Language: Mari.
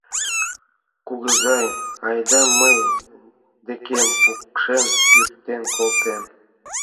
Кугызай, айда мый декем: пукшен, йӱктен колтем.